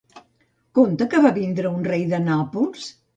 Conta que va vindre un rei de Nàpols?